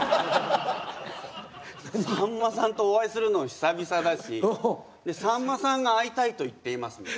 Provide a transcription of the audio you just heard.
さんまさんとお会いするの久々だしさんまさんが会いたいと言っていますみたいな。